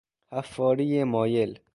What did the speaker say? حفاری مایل